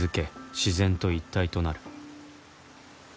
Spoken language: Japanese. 自然と一体となる」